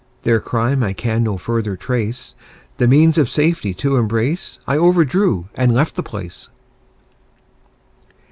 Their crime I can no further trace The means of safety to embrace, I overdrew and left the place.